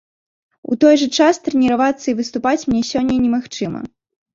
У той жа час трэніравацца і выступаць мне сёння немагчыма.